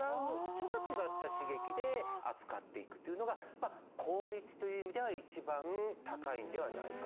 ちょっと違った刺激で扱っていくっていうのが効率という意味では一番高いんではないかと。